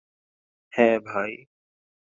হ্যাঁ, ভাই?